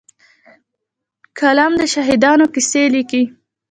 قلم د شهیدانو کیسې لیکي